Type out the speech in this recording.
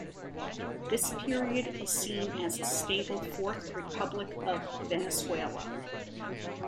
This period is seen as a stable Fourth Republic of Venezuela.